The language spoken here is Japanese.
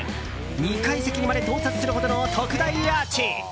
２階席にまで到達するほどの特大アーチ。